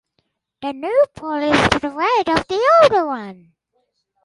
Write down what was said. The new poll is to the right of the older one.